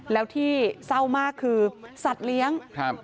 แล้วที่เศร้ามากคือสัตว์เลี้ยงครับ